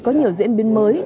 có nhiều diễn biến mới